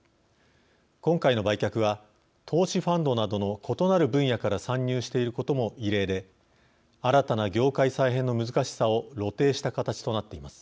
今回の売却は投資ファンドなどの異なる分野から参入していることも異例で新たな業界再編の難しさを露呈した形となっています。